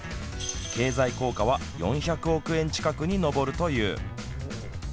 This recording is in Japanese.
経済効果は４００億円近くに上るという。